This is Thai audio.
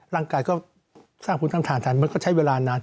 ร่างกายก็สร้างผลตามทานมันก็ใช้เวลานาน